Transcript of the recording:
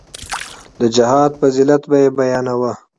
د جهاد فضيلت به يې بياناوه.